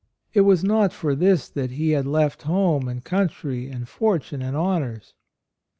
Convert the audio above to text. It was not for this that he had left home and country and fortune and honors.